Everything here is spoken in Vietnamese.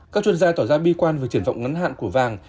các chuyên gia tỏ ra bi quan về triển vọng ngắn hạn của vàng